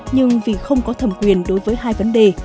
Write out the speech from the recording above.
nhưng vì không có thẩm quyền đối với hai vấn đề